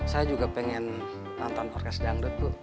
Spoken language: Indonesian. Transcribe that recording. saya juga pengen nonton orkes dangdut tuh